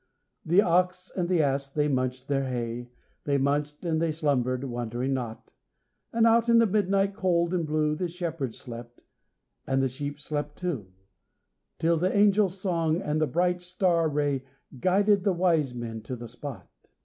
The ox and the ass they munched their hay They munched and they slumbered, wondering not, And out in the midnight cold and blue The shepherds slept, and the sheep slept too, Till the angels' song and the bright star ray Guided the wise men to the spot.